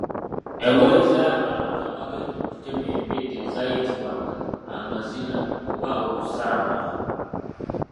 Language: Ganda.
Engoye ezaayambalwanga abagenda okutema embidde zaayitibwanga amaziina oba olusamba.